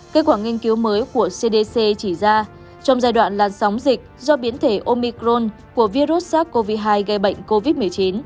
kết quả nghiên cứu mới của cdc chỉ ra trong giai đoạn làn sóng dịch do biến thể omicron của virus sars cov hai gây bệnh covid một mươi chín